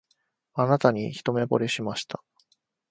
あなたに一目ぼれしました